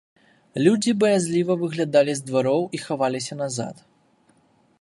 Людзі баязліва выглядалі з двароў і хаваліся назад.